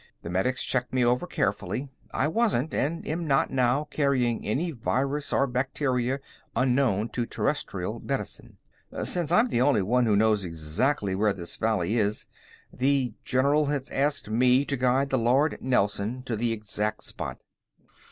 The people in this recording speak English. The medics checked me over carefully. I wasn't and am not now carrying any virus or bacteria unknown to Terrestrial medicine. "Since I'm the only one who knows exactly where this valley is, the general has asked me to guide the Lord Nelson to the exact spot.